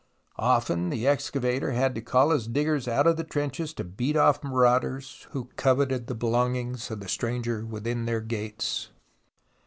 Often the excavator had to call his diggers out of the trenches to beat off marauders who coveted the belongings of the stranger within their gates.